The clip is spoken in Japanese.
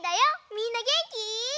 みんなげんき？